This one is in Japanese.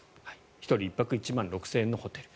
１人１泊１万６０００円のホテル。